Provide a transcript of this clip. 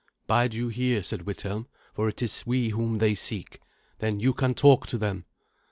"Bide you here," said Withelm, "for it is we whom they seek. Then you can talk to them."